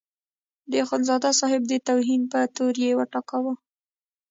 د اخندزاده صاحب د توهین په تور یې وټکاوه.